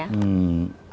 jadi kita harus berpikir